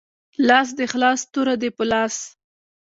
لاس دی خلاص توره دی په لاس